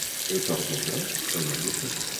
El tord més gros, el més gustós.